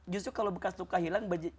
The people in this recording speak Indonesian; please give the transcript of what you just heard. justru kalau bekas luka hilang